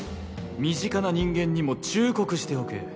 身近な人間にも忠告しておけ。